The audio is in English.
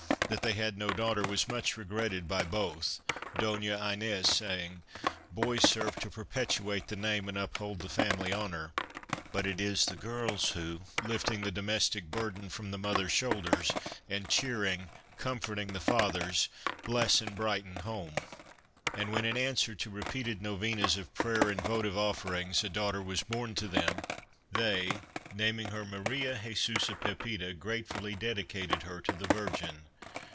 That they had no daughter was much regretted by both, Donna Inez saying :" Boys serve to perpetuate the name and uphold the family honor, but it is the girls who, lifting the domestic burden from the mothers' shoulders, and cheering, comforting the fathers, bless and brighten home," and, when in answer to repeated Novenas of prayer and votive offerings, a daughter was born to them, they, naming her Maria Christmas Under Three Nags Jesusa Pepita, gratefully dedicated her to the Virgin.